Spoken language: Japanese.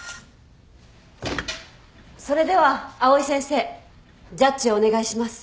それでは藍井先生ジャッジをお願いします。